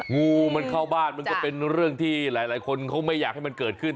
งูมันเข้าบ้านมันก็เป็นเรื่องที่หลายคนเขาไม่อยากให้มันเกิดขึ้น